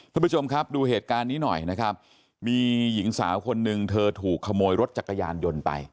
ทุกผู้ชมครับดูเหตุการณ์นี้หน่อยนะครับมีหญิงสาวคนหนึ่งเธอถูกขโมยรถจักรยานยนต์ไป